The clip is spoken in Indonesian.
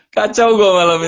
kacau gue malam ini